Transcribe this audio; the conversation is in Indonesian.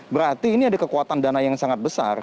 berarti ini ada kekuatan dana yang sangat besar